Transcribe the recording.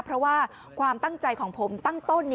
เพราะว่าความตั้งใจของผมตั้งต้น